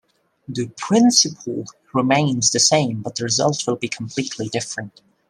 The principle remains the same but the result will be completely different.